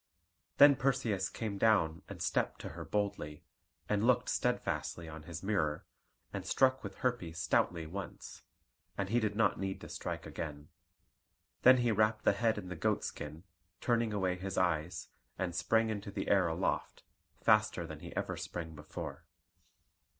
Then Perseus came down and stepped to her boldly, and looked steadfastly on his mirror, and struck with Herpe stoutly once; and he did not need to strike again. Then he wrapped the head in the goat skin, turning away his eyes, and sprang into the air aloft, faster than he ever sprang before.